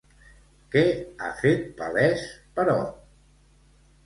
Què ha fet palès, però?